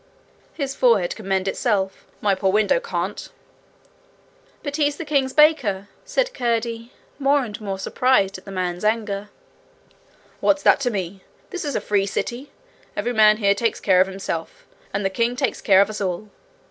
'His forehead can mend itself; my poor window can't.' 'But he's the king's baker,' said Curdie, more and more surprised at the man's anger. 'What's that to me? This is a free city. Every man here takes care of himself, and the king takes care of us all.